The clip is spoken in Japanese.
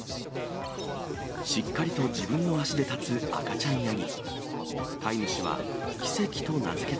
しっかりと自分の足で立つ赤ちゃんヤギ。